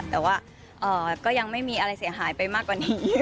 แต่ว่าก็ยังไม่มีอะไรเสียหายไปมากกว่านี้